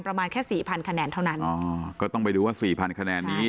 ประมาณแค่สี่พันคะแนนเท่านั้นอ๋อก็ต้องไปดูว่าสี่พันคะแนนนี้